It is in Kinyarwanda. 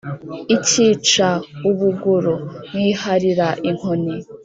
Ikica u Buguru* , nkiharira inkoni.